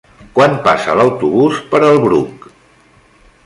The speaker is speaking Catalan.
Quan passa l'autobús per el Bruc?